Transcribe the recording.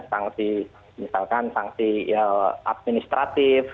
sanksi misalkan sanksi administratif